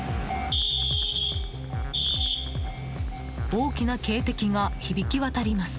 大きな警笛が響き渡ります。